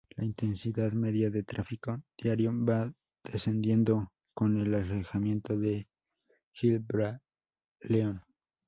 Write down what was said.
La intensidad media de tráfico diario va descendiendo con el alejamiento de Gibraleón.